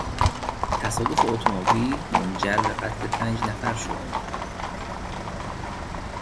تصادف اتومبیل منجر به قتل پنج نفر شد.